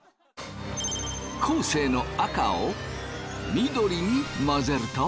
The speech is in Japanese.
生の赤を緑に混ぜると。